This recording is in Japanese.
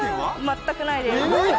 全くないです。